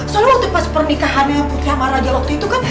soalnya waktu pas pernikahannya sama raja waktu itu kan